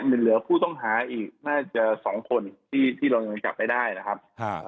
มันเหลือผู้ต้องหาอีกน่าจะสองคนที่ที่เรายังจับไม่ได้นะครับ